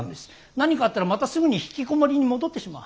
何かあったらまたすぐにひきこもりに戻ってしまう。